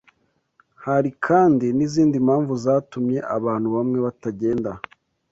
Hari kandi n’izindi mpamvu zatumye abantu bamwe batagenda